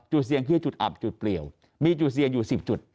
เสี่ยงคือจุดอับจุดเปลี่ยวมีจุดเสี่ยงอยู่๑๐จุด